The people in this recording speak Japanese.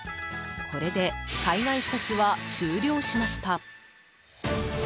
これで海外視察は終了しました。